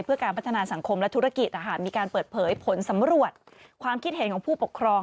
เพื่อการพัฒนาสังคมและธุรกิจมีการเปิดเผยผลสำรวจความคิดเห็นของผู้ปกครอง